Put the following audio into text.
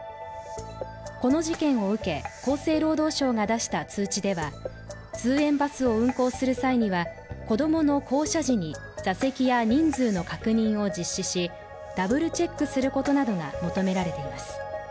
この事件を受け厚生労働省が出した通知では、通園バスを運行する際には子供の降車時に座席や人数の確認を実施しダブルチェックすることなどが求められています。